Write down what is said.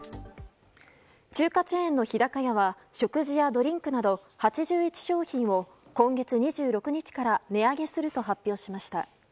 中華チェーンの日高屋は食事やドリンクなど８１商品を今月２６日から値上げすると発表しました。